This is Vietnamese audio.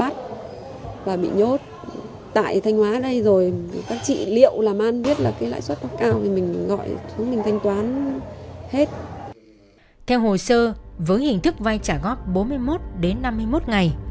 theo hồ sơ với hình thức vay trả góp bốn mươi một đến năm mươi một ngày